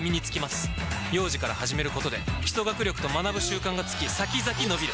幼児から始めることで基礎学力と学ぶ習慣がつき先々のびる！